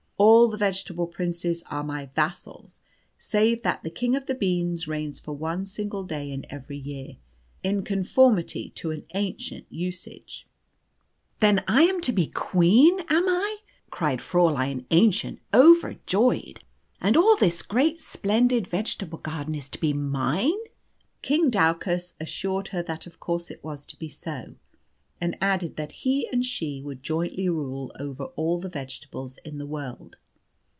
All the vegetable princes are my vassals, save that the King of the Beans reigns for one single day in every year, in conformity to an ancient usage." "Then I am to be a queen, am I?" cried Fräulein Aennchen, overjoyed. "And all this great splendid vegetable garden is to be mine?" King Daucus assured her that of course it was to be so, and added that he and she would jointly rule over all the vegetables in the world.